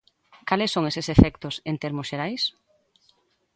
Cales son eses efectos, en termos xerais?